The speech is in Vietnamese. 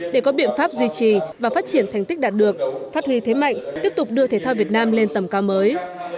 để có biện pháp duy trì và phát triển thành tích đạt được phát huy thế mạnh tiếp tục đưa thể thao việt nam lên tầm cao mới